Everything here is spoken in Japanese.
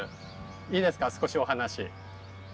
いいですか少しお話。